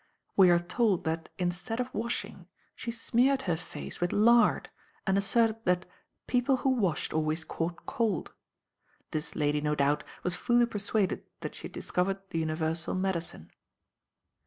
We are told that instead of washing she smeared her face with lard, and asserted that "people who washed always caught cold." This lady, no doubt, was fully persuaded that she had discovered the universal medicine.